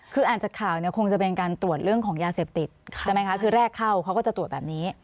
คืออ่านจากข่าวเนี่ยคงจะเป็นการตรวจเรื่องของยาเสพติดใช่ไหมคะคือแรกเข้าเขาก็จะตรวจแบบนี้